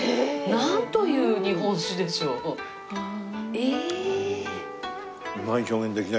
なんという日本酒でしょう。え！